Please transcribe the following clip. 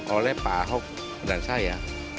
oleh pak ahok dan saya